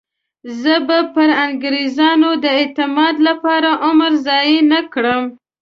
زه به پر انګریزانو د اعتماد لپاره عمر ضایع نه کړم.